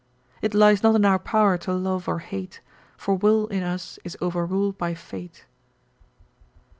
It lies not in our power to love or hate, For will in us is overrul'd by fate.